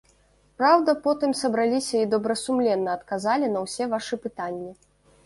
Праўда, потым сабраліся і добрасумленна адказалі на ўсе вашы пытанні.